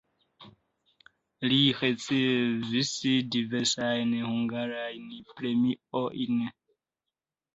Li ricevis diversajn hungarajn premiojn.